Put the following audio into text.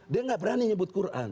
dia nggak berani nyebut quran